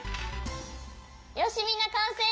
よしみんなかんせい！